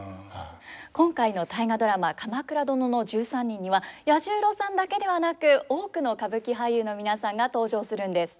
今回の「大河ドラマ鎌倉殿の１３人」には彌十郎さんだけではなく多くの歌舞伎俳優の皆さんが登場するんです。